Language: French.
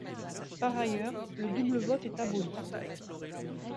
Par ailleurs, le double vote est aboli.